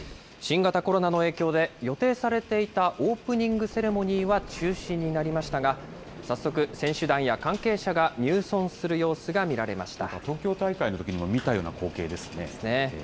新型コロナの影響で予定されていたオープニングセレモニーは中止になりましたが、早速、選手団や関係者が入村する様子が見られま東京大会のときにも見たようそうですね。